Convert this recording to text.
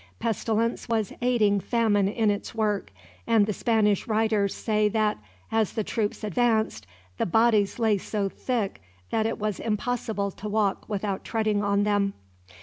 Pestilence was aiding famine in its work; and the Spanish writers say that "as the troops advanced, the bodies lay so thick that it was impossible to walk without treading on them."